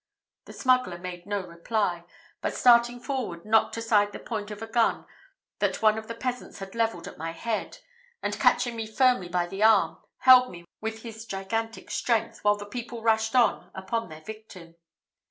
The smuggler made no reply, but starting forward, knocked aside the point of a gun that one of the peasants had levelled at my head, and catching me firmly by the arm, held me with his gigantic strength, while the people rushed on upon their victim.